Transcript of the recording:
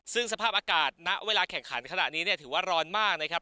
ซึ่งสภาพอากาศณเวลาแข่งขันขณะนี้เนี่ยถือว่าร้อนมากนะครับ